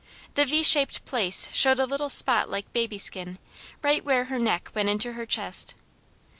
The V shaped place showed a little spot like baby skin, right where her neck went into her chest.